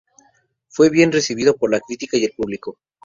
Fue bien recibido por la crítica y el público.